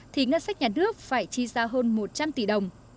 thì ngân sách nhà nước phải chi ra hơn một trăm linh tỷ đồng